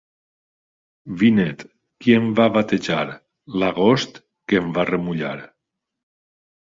Vinet, qui et va batejar? L'agost que em va remullar.